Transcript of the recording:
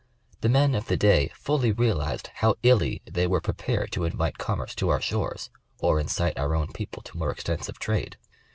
The men of the day fully realized how illy they were prepared to invite com merce to our shores, or incite our own people to more extensive trade.